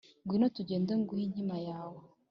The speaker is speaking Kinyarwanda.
ngwino tugende nguhe inkima yawe